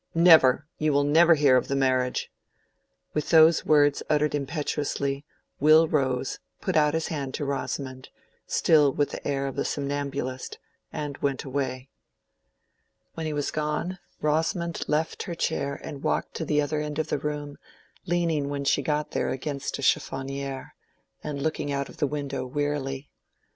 "Never! You will never hear of the marriage!" With those words uttered impetuously, Will rose, put out his hand to Rosamond, still with the air of a somnambulist, and went away. When he was gone, Rosamond left her chair and walked to the other end of the room, leaning when she got there against a chiffonniere, and looking out of the window wearily.